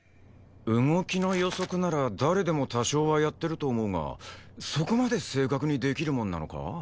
動きの予測なら誰でも多少はやってると思うがそこまで正確にできるもんなのか？